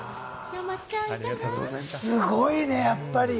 すごいね、やっぱり。